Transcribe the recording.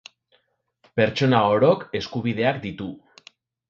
Pertsona orok eskubideak ditu.